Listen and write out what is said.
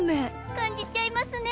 感じちゃいますね！